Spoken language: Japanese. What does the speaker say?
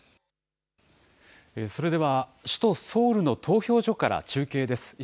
それでは首都ソウルの投票所から中継です。